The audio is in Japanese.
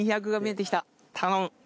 頼む。